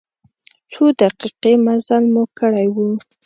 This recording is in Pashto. څو دقیقې مزل مو کړی و.